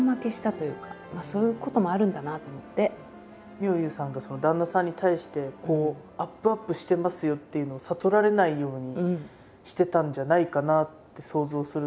妙憂さんが旦那さんに対してアップアップしてますよっていうのを悟られないようにしてたんじゃないかなって想像するんですけど。